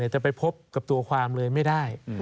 จะไปพบกับตัวความเลยไม่ได้